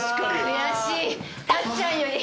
悔しい。